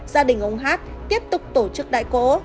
gia đình ông hát tiếp tục tổ chức đại cổ